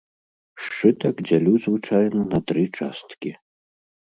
Сшытак дзялю звычайна на тры часткі.